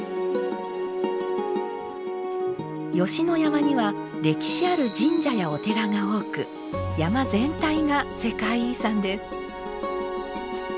吉野山には歴史ある神社やお寺が多く山全体が世界遺産です。